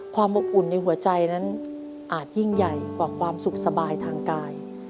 ความอบอุ่นในหัวใจนั้นอาจยิ่งใหญ่กว่าความสุขสบายทางกาย